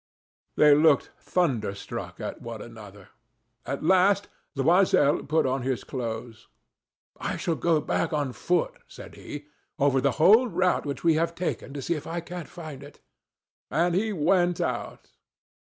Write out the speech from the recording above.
They looked, thunderstruck, at one another. At last Loisel put on his clothes. "I shall go back on foot," said he, "over the whole route which we have taken, to see if I can't find it." And he went out.